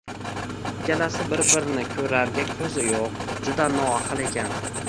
Ikkalasi bir-birini ko‘rarga ko‘zi yo‘q, juda noahil ekan.